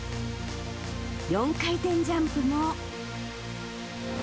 ４回転ジャンプも。